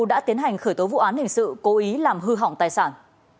đã tiến hành khởi tố vụ án hình sự cố ý làm hư hỏng tài sản